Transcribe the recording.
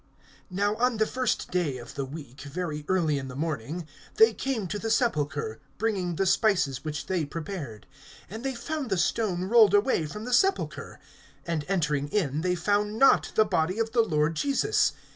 NOW on the first day of the week, very early in the morning, they came to the sepulchre, bringing the spices which they prepared. (2)And they found the stone rolled away from the sepulchre. (3)And entering in, they found not the body of the Lord Jesus.